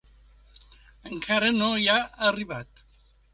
Encara no hi ha arribat.